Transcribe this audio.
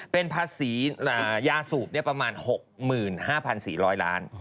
เป็นภาษียาสูบประมาณ๖๕๔๐๐ล้าน